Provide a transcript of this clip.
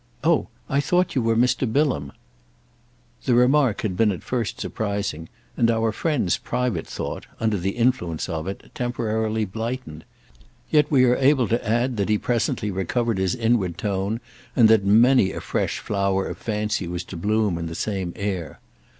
"Oh I thought you were Mr. Bilham!" The remark had been at first surprising and our friend's private thought, under the influence of it, temporarily blighted; yet we are able to add that he presently recovered his inward tone and that many a fresh flower of fancy was to bloom in the same air.